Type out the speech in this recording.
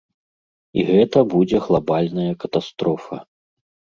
І гэта будзе глабальная катастрофа.